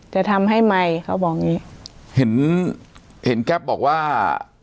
จะทำให้ไมค์เขาบอกอย่างงี้เห็นเห็นแก๊ปบอกว่า